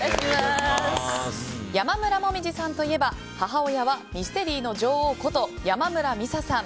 山村紅葉さんといえば母親はミステリーの女王こと山村美紗さん。